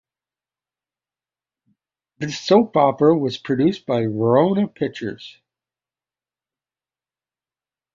This soap opera is produced by Verona Pictures.